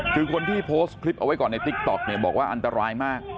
คือคนที่โพสต์คลิปเอาไว้ก่อนในติ๊กต๊อกเนี่ยบอกว่าอันตรายมาก